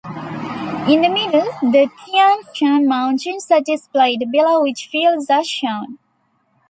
In the middle, the Tian Shan mountains are displayed, below which fields are shown.